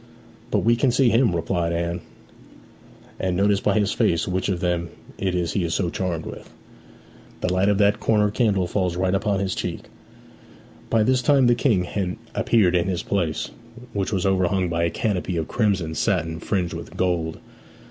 'But we can see him,' replied Anne, 'and notice by his face which of them it is he is so charmed with. The light of that corner candle falls right upon his cheek.' By this time the King had appeared in his place, which was overhung by a canopy of crimson satin fringed with gold.